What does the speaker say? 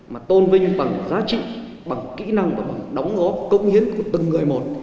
mà tôn vinh bằng giá trị bằng kỹ năng và bằng đóng góp công hiến của từng người một